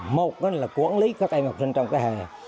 một là quản lý các em học sinh trong cái hè